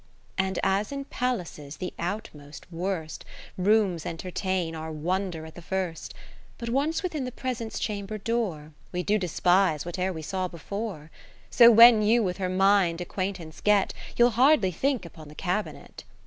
And as in palaces the outmost, worst Rooms entertain our wonder at the first \ 30 But once within the Presence Chamber door, We do despise whate'er we saw before : So when you with her mind acquaint ance get, You'll hardly think upon the cabinet.